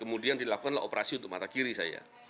kemudian dilakukanlah operasi untuk mata kiri saya